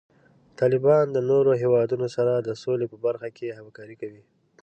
طالبان د نورو هیوادونو سره د سولې په برخه کې همکاري کوي.